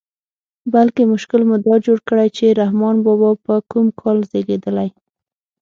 بلکې مشکل مو دا جوړ کړی چې رحمان بابا په کوم کال زېږېدلی.